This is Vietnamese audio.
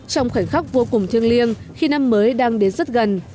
trong khoảnh khắc vô cùng thiêng liêng khi năm mới đang đến rất gần